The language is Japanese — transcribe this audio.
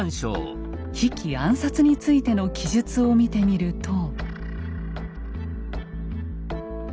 比企暗殺についての記述を見てみると。